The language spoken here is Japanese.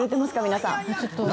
皆さん。